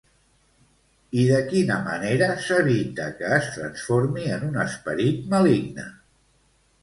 I de quina manera s'evita que es transformi en un esperit maligne?